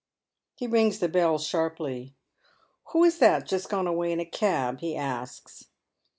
He rings the bell sharply. " Who is that just gone away in a cab ?" he asks.